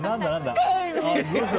どうした？